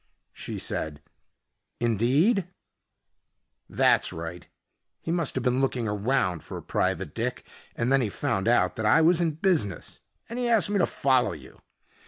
She said, "Indeed?" "That's right. He must have been looking around for a private dick and then he found out that I was in business and he asked me to follow you.